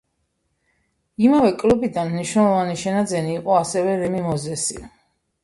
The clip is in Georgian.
იმავე კლუბიდან მნიშვნელოვანი შენაძენი იყო ასევე რემი მოზესი.